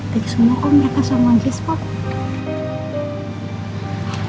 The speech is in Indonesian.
dikesungguh kok mereka sama aja spok